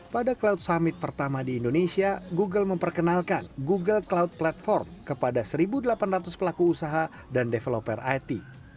pada cloud summit pertama di indonesia google memperkenalkan google cloud platform kepada satu delapan ratus pelaku usaha dan developer it